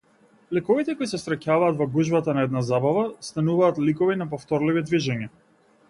Ликовите кои се среќаваат во гужвата на една забава стануваат ликови на повторливи движења.